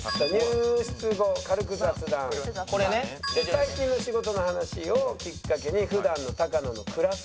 最近の仕事の話をきっかけに普段の高野の暗さを。